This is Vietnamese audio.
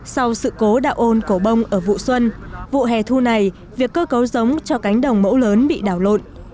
sau sự cố đạo ôn cổ bông ở vụ xuân vụ hè thu này việc cơ cấu giống cho cánh đồng mẫu lớn bị đảo lộn